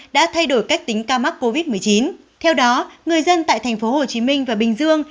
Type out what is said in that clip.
đã thay đổi cách tính ca mắc covid một mươi chín theo đó người dân tại thành phố hồ chí minh và bình dương